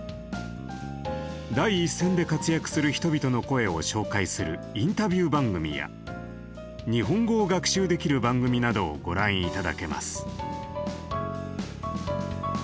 第一線で活躍する人々の声を紹介するインタビュー番組や日本語を学習できる番組などをご覧頂けます。